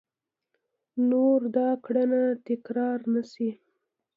نور دا کړنه تکرار نه شي !